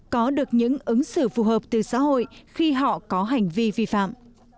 có được những ứng xử phù hợp từ xã hội khi họ có hành vi vi phạm